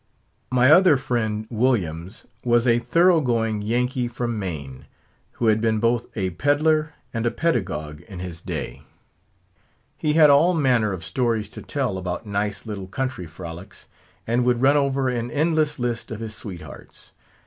My other friend, Williams, was a thorough going Yankee from Maine, who had been both a peddler and a pedagogue in his day. He had all manner of stories to tell about nice little country frolics, and would run over an endless list of his sweethearts.